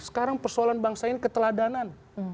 sekarang persoalan bangsa ini keteladanan